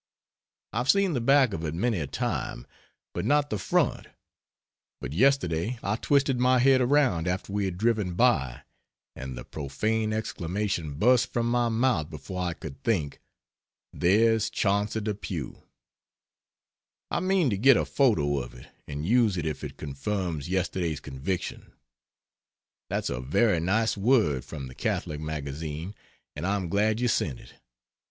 I've seen the back of it many a time, but not the front; but yesterday I twisted my head around after we had driven by, and the profane exclamation burst from my mouth before I could think: "there's Chauncey Depew!" I mean to get a photo of it and use it if it confirms yesterday's conviction. That's a very nice word from the Catholic Magazine and I am glad you sent it.